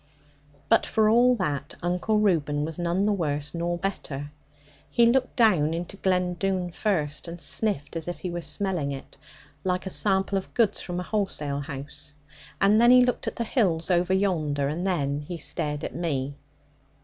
But for all that, Uncle Reuben was none the worse nor better. He looked down into Glen Doone first, and sniffed as if he were smelling it, like a sample of goods from a wholesale house; and then he looked at the hills over yonder, and then he stared at me.